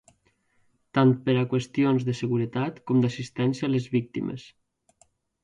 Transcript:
Tant per a qüestions de seguretat com d’assistència a les víctimes.